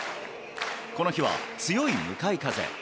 この日は強い向かい風。